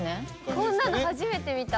こんなの初めて見た。